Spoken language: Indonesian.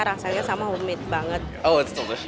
rasanya sama dengan makanan makanan rumah